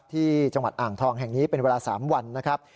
ที่จังหวัดอ่างทองแห่งนี้เป็นเวลา๓วันนะครับ